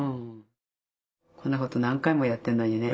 こんなこと何回もやってんのにね。